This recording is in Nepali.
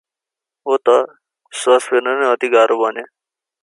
हो त, स्वास फेर्न नै अती गाह्रो भन्या!